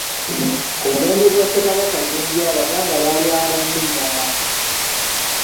Ku mulembe gwa Ssekabaka Jjunju Abaganda baalyanga nnyo ennyama.